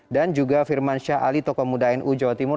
dan juga firman syah ali tokomuda nu jawa timur